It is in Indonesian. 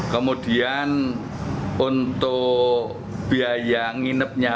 kemudian untuk biaya nginepnya